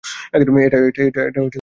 এটা ওদের কাজ।